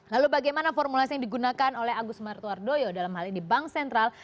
lalu bagaimana formulasi yang digunakan oleh agus martuardoyo dalam hal ini bank sentral